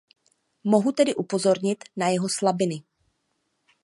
Mohu tedy upozornit na jeho slabiny.